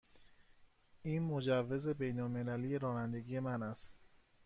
این مجوز بین المللی رانندگی من است.